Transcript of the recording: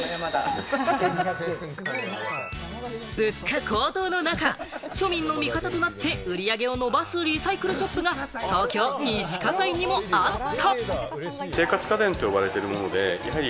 物価高騰の中、庶民の味方となって売り上げを伸ばすリサイクルショップが東京・西葛西にもあった。